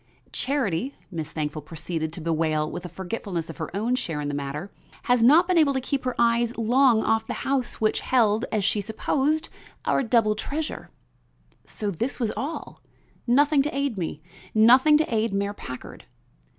"Charity," Miss Thankful proceeded to bewail with a forgetfulness of her own share in the matter, "had not been able to keep her eyes long off the house which held, as she supposed, our double treasure." So this was all! Nothing to aid me; nothing to aid Mayor Packard.